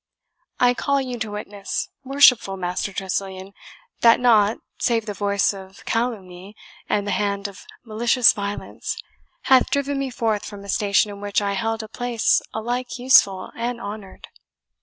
I call you to witness, worshipful Master Tressilian, that nought, save the voice of calumny and the hand of malicious violence, hath driven me forth from a station in which I held a place alike useful and honoured."